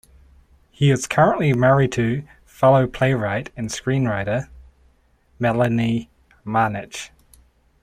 He is currently married to fellow playwright and screenwriter, Melanie Marnich.